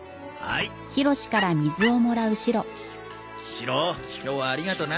シロ今日はありがとうな。